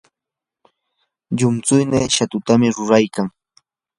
llumtsuynii shatutam ruraykan.